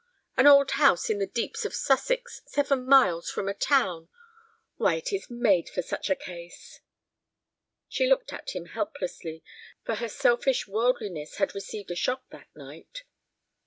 An old house in the deeps of Sussex, seven miles from a town. Why, it is made for such a case." She looked at him helplessly, for her selfish worldliness had received a shock that night.